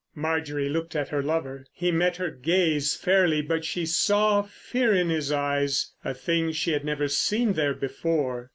Marjorie looked at her lover. He met her gaze fairly. But she saw fear in his eyes—a thing she had never seen there before.